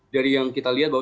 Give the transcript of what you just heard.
dari yang kita lihat bahwa